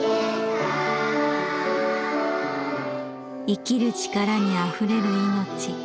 生きる力にあふれる命。